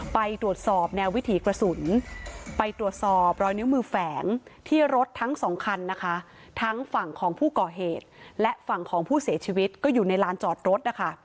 ไปตรวจสอบแนววิถีกระสุนไปตรวจสอบรอยนิ้วมือแฝงที่รถทั้งสองคันนะคะทั้งฝั่งของผู้ก่อเหตุและฝั่งของผู้เสียชีวิตก็อยู่ในลานจอดรถนะคะ